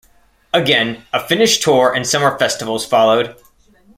Again, a Finnish tour and summer festivals followed.